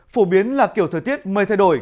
phổ biến là kiểu thời tiết mây thay đổi